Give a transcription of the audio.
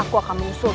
aku akan mengusung dia